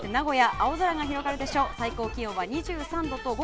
青空が広がるでしょう。